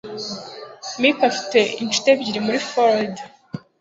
Mike afite inshuti ebyiri muri Floride.